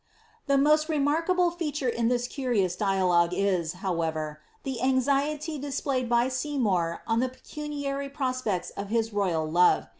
The most remarkable feature in this curious dialogue is, howerer, the •lubety displayed by Seymour on the pecuniary prospects of his royal k>re.